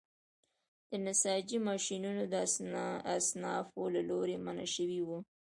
د نساجۍ ماشینونه د اصنافو له لوري منع شوي وو.